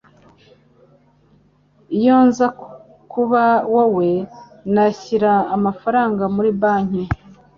Iyo nza kuba wowe, nashyira amafaranga muri banki.